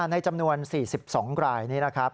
ในจำนวน๔๒รายนี้นะครับ